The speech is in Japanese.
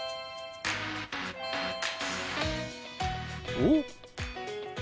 おっ！